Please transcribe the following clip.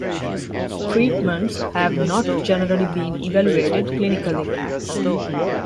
Treatments have not generally been evaluated clinically.